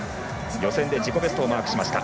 予選で自己ベストをマークしました。